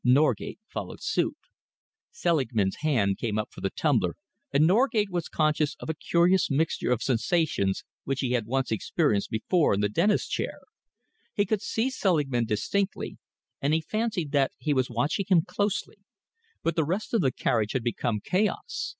Norgate followed suit. Selingman's hand came up for the tumbler and Norgate was conscious of a curious mixture of sensations which he had once experienced before in the dentist's chair. He could see Selingman distinctly, and he fancied that he was watching him closely, but the rest of the carriage had become chaos.